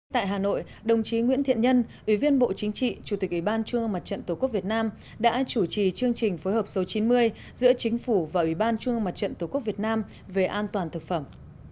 tại hà nội đồng chí nguyễn thiện nhân ủy viên bộ chính trị chủ tịch ủy ban trung ương mặt trận tổ quốc việt nam đã chủ trì chương trình phối hợp số chín mươi giữa chính phủ và ủy ban trung mặt trận tổ quốc việt nam về an toàn thực phẩm